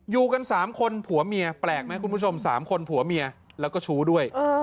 อยู่กัน๓คนผัวเมียแปลกไหมคุณผู้ชม๓คนผัวเมียแล้วก็ชู้ด้วย